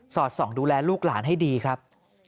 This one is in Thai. อดส่องดูแลลูกหลานให้ดีครับ